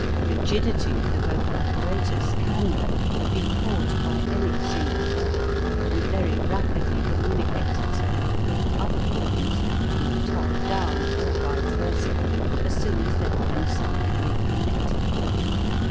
Rigidity of the vocal apparatus can, though, be caused by any single organ and very rapidly communi cates itself to all other organs from the top down or vice versa as soon as they are in some degree connected.